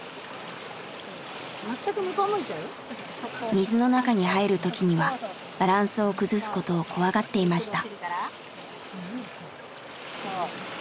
水の中に入る時にはバランスを崩すことを怖がっていました。